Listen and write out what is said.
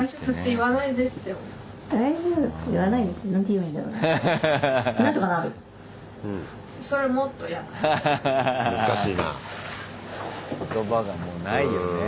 言葉がもうないよね。